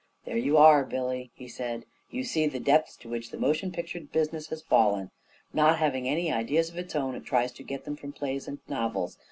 "There you are, Billy," he said; "you see the depths to which the motion picture business has fallen. Not having any ideas of its own, it tries to get them from plays and novels.